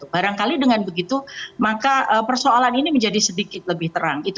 barangkali dengan begitu maka persoalan ini menjadi sedikit lebih terang